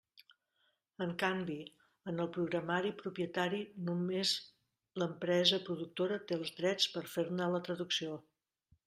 En canvi, en el programari propietari només l'empresa productora té els drets per fer-ne la traducció.